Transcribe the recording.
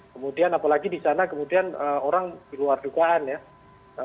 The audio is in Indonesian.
kemudian apalagi disana kemudian orang di luar dugaan ya